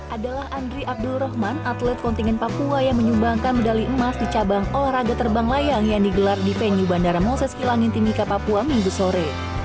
adalah andri abdul rahman atlet kontingen papua yang menyumbangkan medali emas di cabang olahraga terbang layang yang digelar di venue bandara moses kilangin timika papua minggu sore